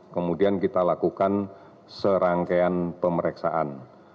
kemudian kita lakukan serangkaian pemeriksaan